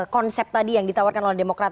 konsep tadi yang ditawarkan oleh demokrat